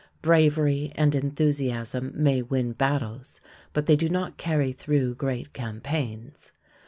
Bravery and enthusiasm may win battles, but they do not carry through great campaigns.